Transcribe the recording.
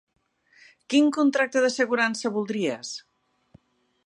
Quin contracte d'assegurança voldries?